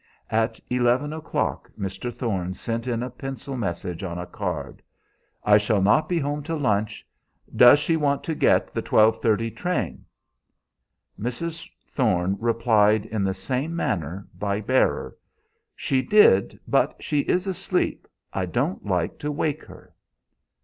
At eleven o'clock Mr. Thorne sent in a pencil message on a card: "I shall not be home to lunch. Does she want to get the 12:30 train?" Mrs. Thorne replied in the same manner, by bearer: "She did, but she is asleep. I don't like to wake her."